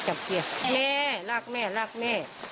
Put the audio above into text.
มอย่าก่อนบอกว่าอย่ากลับมากกับแม่